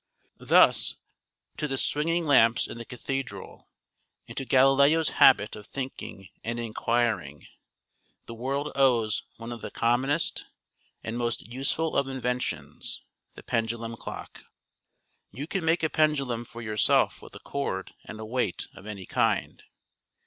Thus, to the swinging lamps in the cathedral, and to Galileo's habit of thinking and inquiring, the world owes one of the commonest and most useful of inventions, — the pendulum clock. You can make a pendulum for yourself with a cord and a weight of any kind.